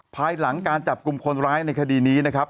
ภายหลังการจับกลุ่มคนร้ายในคดีนี้นะครับ